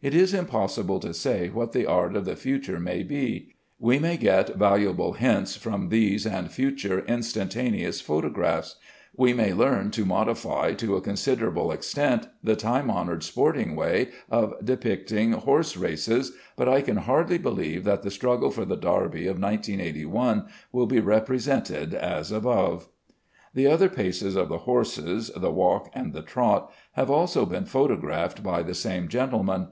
It is impossible to say what the art of the future may be. We may get valuable hints from these and future instantaneous photographs; we may learn to modify, to a considerable extent, the time honored sporting way of depicting horseraces, but I can hardly believe that the struggle for the Derby of 1981 will be represented as above. The other paces of the horse, the walk and the trot, have also been photographed by the same gentleman.